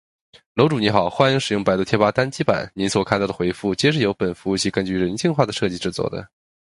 楼主你好：欢迎使用百度贴吧单机版！您所看到的回复，皆是由本服务器根据人性化的设计制作的